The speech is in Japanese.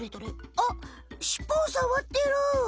あっ尻尾をさわってる！